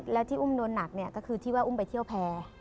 แล้วที่อุ้มโดนหนักเนี่ยก็คือที่ว่าอุ้มไปเที่ยวแพร่